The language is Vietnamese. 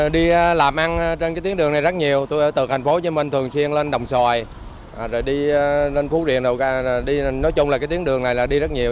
đi làm ăn trên cái tiến đường này rất nhiều tôi ở từ thành phố hồ chí minh thường xuyên lên đồng xoài rồi đi lên phú điện nói chung là cái tiến đường này là đi rất nhiều